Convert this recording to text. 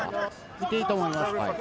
見ていいと思います。